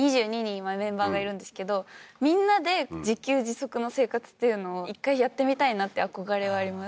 今メンバーがいるんですけどみんなで自給自足の生活っていうのを一回やってみたいなって憧れはあります